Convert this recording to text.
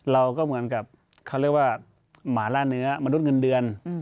เราก็เหมือนกับเขาเรียกว่าหมาล่าเนื้อมนุษย์เงินเดือน